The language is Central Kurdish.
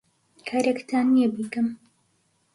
کارێکتان نییە بیکەم؟